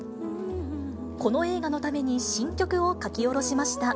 この映画のために新曲を書き下ろしました。